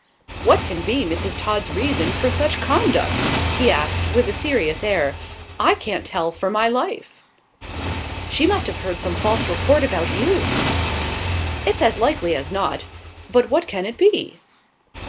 "What can be Mrs. Todd's reason for such conduct?" he asked, with a serious air. "I can't tell, for my life." "She must have heard some false report about you." "It's as likely as not; but what can it be?"